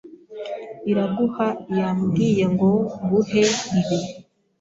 Iraguha yambwiye ngo nguhe ibi.